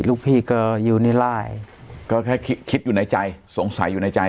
ลูกพี่ก็อยู่ในร่ายก็แค่คิดอยู่ในใจสงสัยอยู่ในใจ